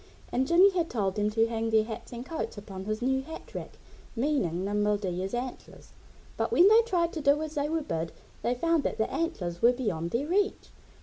And Jimmy had told them to hang their hats and coats upon his new hat rack meaning Nimble Deer's antlers. But when they tried to do as they were bid they found that the antlers were beyond their reach.